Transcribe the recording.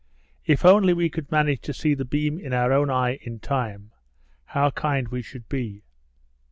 If only we could manage to see the beam in our own eye in time, how kind we should be."